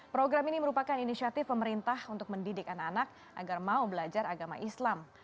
program ini merupakan inisiatif pemerintah untuk mendidik anak anak agar mau belajar agama islam